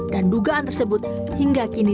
dan dugaan tersebut hingga kini